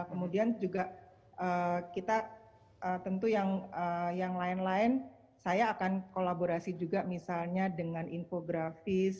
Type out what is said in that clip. kemudian juga kita tentu yang lain lain saya akan kolaborasi juga misalnya dengan infografis